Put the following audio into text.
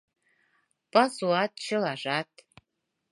— Пасуат, чылажат...